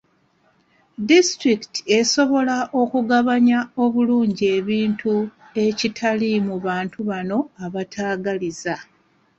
Disitulikiti esobola okugabanya obulungi ebintu ekitali ku bantu bano abataagaliza.